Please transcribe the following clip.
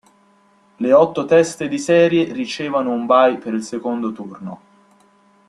Le otto teste di serie ricevono un bye per il secondo turno